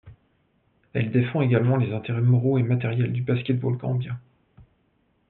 Elle défend également les intérêts moraux et matériels du basket-ball gambien.